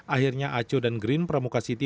akhirnya aco dan green pramuka city